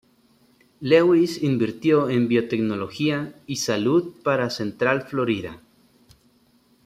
Lewis invirtió en biotecnología y salud para Central Florida.